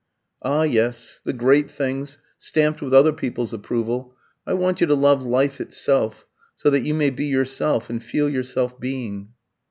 "Ah yes the great things, stamped with other people's approval. I want you to love life itself, so that you may be yourself, and feel yourself being."